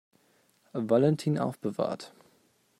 Valentin aufbewahrt.